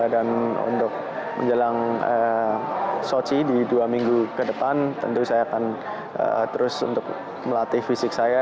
dan untuk menjelang soshi di dua minggu ke depan tentu saya akan terus untuk melatih fisik saya